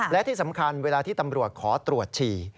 และที่สำคัญเวลาที่ตำรวจขอตรวจฉี่